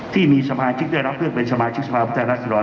ที่มีสมาชิกได้รับเครื่องเป็นสมาชิกสมาพุทธรรศดร